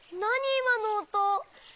いまのおと。